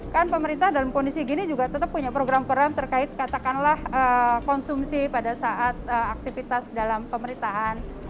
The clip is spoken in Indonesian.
kan pemerintah dalam kondisi gini juga tetap punya program program terkait katakanlah konsumsi pada saat aktivitas dalam pemerintahan